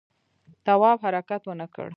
تواب حرکت ونه کړ.